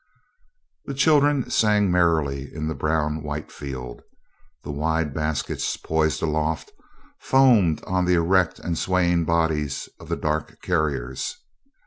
The children sang merrily in the brown white field. The wide baskets, poised aloft, foamed on the erect and swaying bodies of the dark carriers.